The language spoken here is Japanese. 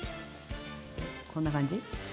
こんな感じ。